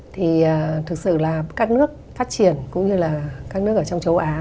thì thực sự là các nước phát triển cũng như là các nước ở trong châu á